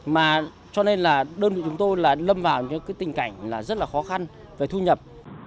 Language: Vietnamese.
mà cho nên là đơn vị chúng tôi là lâm vào những tình cảnh là rất là khó khăn về thu nhập